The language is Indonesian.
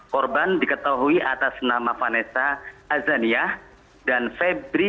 korban diketahui atas nama vanessa azania dan febri